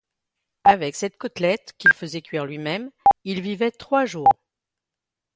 Avec cette côtelette, qu'il faisait cuire lui-même, il vivait trois jours.